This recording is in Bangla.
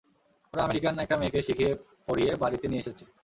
ওরা আমেরিকান একটা মেয়েকে শিখিয়ে পড়িয়ে বাড়িতে নিয়ে এসেছে।